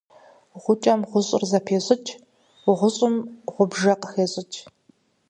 Гъукӏэм гъущӏыр зэпещӏыкӏ, гъущӏым гъубжэ къыхещӏыкӏ.